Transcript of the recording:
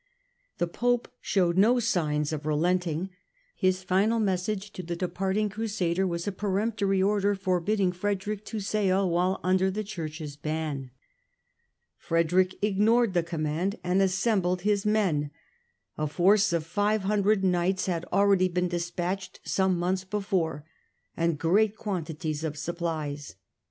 The Pope showed no signs of relenting. His final message to the departing Crusader was a peremptory order forbidding Frederick to sail while under the Church's ban. Frederick ignored the command and assembled his men. A force of five hundred knights had already been despatched some months before and great quantities of supplies.